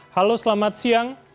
halo selamat siang